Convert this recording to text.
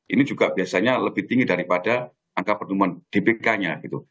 ini juga biasanya lebih tinggi daripada angka pertumbuhan dpk nya gitu